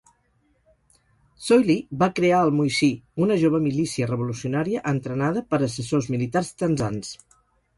Soilih va crear el "Moissy", una jove milícia revolucionària entrenada per assessors militars tanzans.